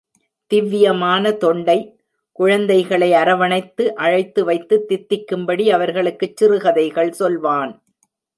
திவ்யமான தொண்டை, குழந்தைகளை அரவணைத்து அழைத்து வைத்து, தித்திக்கும்படி அவர்களுக்குச் சிறுகதைகள் சொல்லுவான்.